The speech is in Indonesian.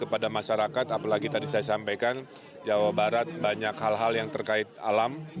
kepada masyarakat apalagi tadi saya sampaikan jawa barat banyak hal hal yang terkait alam